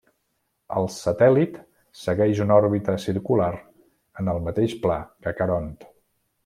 El satèl·lit segueix una òrbita circular en el mateix pla que Caront.